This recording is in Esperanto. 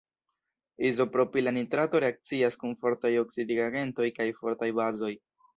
Izopropila nitrato reakcias kun fortaj oksidigagentoj kaj fortaj bazoj.